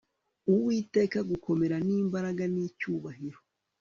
Uwiteka gukomera n imbaraga n icyubahiro